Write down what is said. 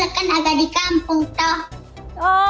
di sekolah kan ada di kampung toh